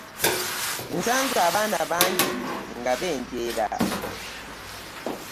Nsanze abaana bangi nga benjeera.